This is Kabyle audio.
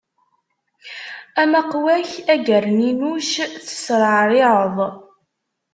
Amaqwa-k a gerninuc, tesreɛriɛeḍ!